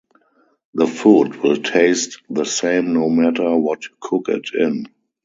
The food will taste the same no matter what you cook it in.